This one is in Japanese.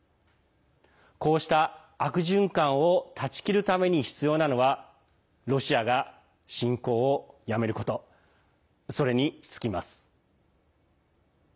こうした悪循環を断ち切るために必要なのはロシアが侵攻をやめることそれに尽きます。